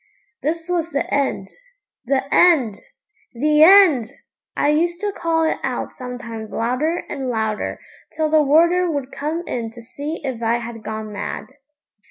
This was the end the end the end! I used to call it out sometimes louder and louder, till the warder would come in to see if I had gone mad.